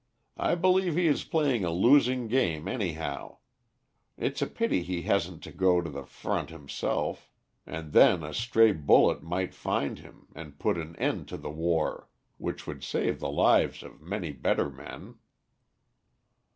I believe he is playing a losing game, anyhow. It's a pity he hasn't to go to the front himself, and then a stray bullet might find him and put an end to the war, which would save the lives of many better men."